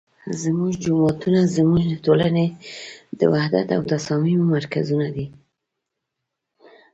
زمونږ جوماتونه زمونږ د ټولنې د وحدت او تصاميمو مرکزونه دي